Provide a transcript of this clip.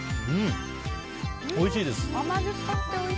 おいしいです。